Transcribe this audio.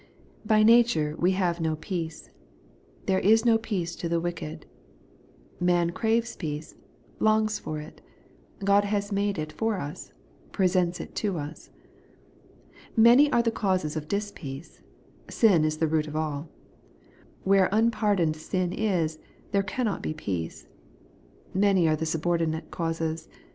By nature we have no peace ;' there is no peace to the wicked.' Man craves peace; longs for it. God has made it for us ; presents it to us. Many are the causes of dispeace ; sin is the root of alL Where unpardoned sin is, there cannot be peace. Many are the subordinate causes.